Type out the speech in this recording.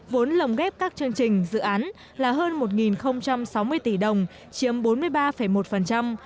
vốn lồng ghép các chương trình dự án là hơn một sáu mươi tỷ đồng chiếm bốn mươi ba một